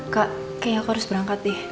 kak kayak aku harus berangkat deh